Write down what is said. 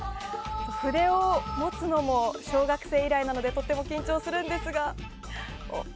筆を持つのも小学生以来なのでとても緊張するんですが。